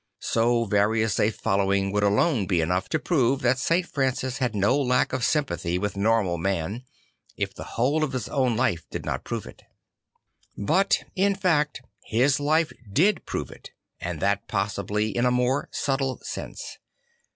So various a follow ing would alone be enough to prove that St. Francis had no lack of sympathy \vith normal men, if the \vhole of his own life did not prove it. But in fact his life did prove it, and that possibly in a more subtle sense.